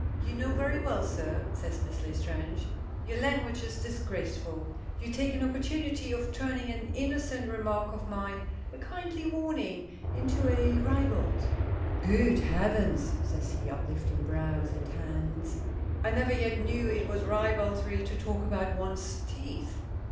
"You know very well, sir," says Miss L'estrange. "Your language is disgraceful. You take an opportunity of turning an innocent remark of mine, a kindly warning, into a ribald " "Good heavens!" says he, uplifting brows and hands. "I never yet knew it was ribaldry to talk about one's teeth."